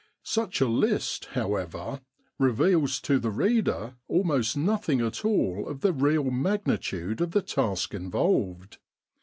Such a list, however, reveals to the reader almost nothing at all of the real magnitude of the task involved.